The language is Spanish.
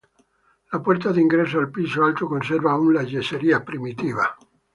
La puerta de ingreso al piso alto conserva aún las yeserías primitivas.